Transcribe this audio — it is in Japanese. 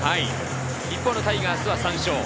一方、タイガースは３勝。